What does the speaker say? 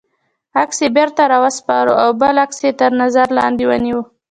عکس یې بېرته را و سپاره او بل عکس یې تر نظر لاندې ونیوه.